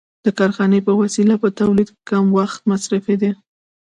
د کارخانې په وسیله په تولید کم وخت مصرفېده